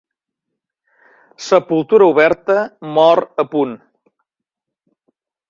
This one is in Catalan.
Sepultura oberta, mort a punt.